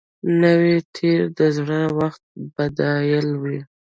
نوی تېر د زاړه وخت بدیل وي